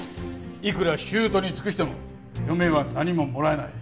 いくら姑に尽くしても嫁は何ももらえない。